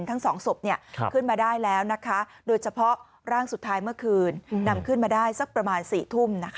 ทั้ง๒ศพขึ้นมาได้แล้วโดยเฉพาะร่างสุดท้ายเมื่อคืนนำขึ้นมาได้สักประมาณ๔ทุ่ม